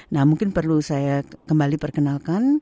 nah mungkin perlu saya kembali perkenalkan